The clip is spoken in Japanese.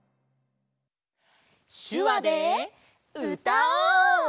しゅわでうたおう！